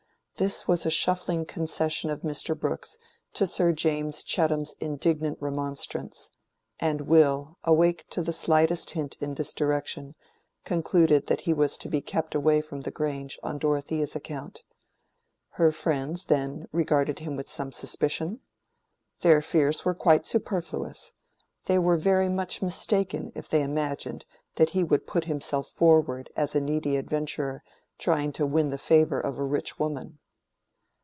This was a shuffling concession of Mr. Brooke's to Sir James Chettam's indignant remonstrance; and Will, awake to the slightest hint in this direction, concluded that he was to be kept away from the Grange on Dorothea's account. Her friends, then, regarded him with some suspicion? Their fears were quite superfluous: they were very much mistaken if they imagined that he would put himself forward as a needy adventurer trying to win the favor of a rich woman.